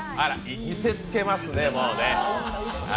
見せつけますね、もうね。